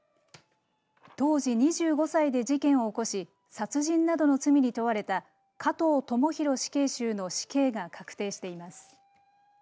当時２５歳で事件を起こし殺人などの罪に問われた加藤智大死刑囚の死刑が確定しています。